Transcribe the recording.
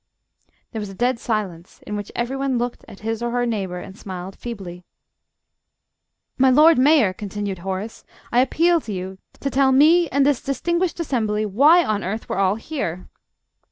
There was a dead silence, in which every one looked at his or her neighbour and smiled feebly. "My Lord Mayor," continued Horace, "I appeal to you to tell me and this distinguished assembly why on earth we're all here!"